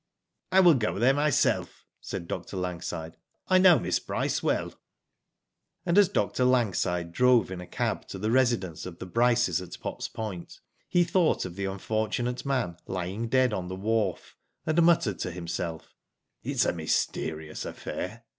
'* I will go there myself," said Dr. Langside. I know Miss Bryce well." And as Pr. Langside drove in a cab to the c Digitized by V3OOQ IC i8 WHO DID IT? residence of the Bryces at Potts Point, he thought of the unfortunate man lying dead on the wharf, and muttered to himself: ''It's a mysterious affair.